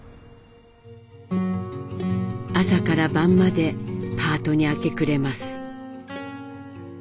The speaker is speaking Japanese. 朝から晩までパートに明け暮れます。